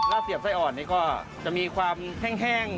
เสียบไส้อ่อนนี่ก็จะมีความแห้ง